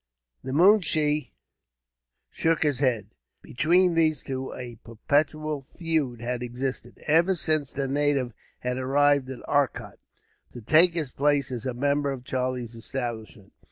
The moonshee shook his head. Between these two a perpetual feud had existed, ever since the native had arrived at Arcot, to take his place as a member of Charlie's establishment.